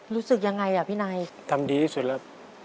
รู้สึกยังไงอ่ะพี่นายทำดีที่สุดแล้ว